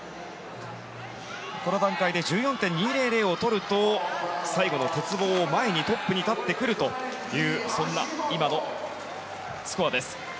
この段階で１４．２００をとると最後の鉄棒を前にトップに立ってくるというそんな今のスコアです。